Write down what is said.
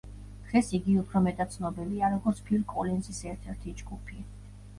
დღეს იგი უფრო მეტად ცნობილია, როგორც ფილ კოლინზის ერთ-ერთი ჯგუფი.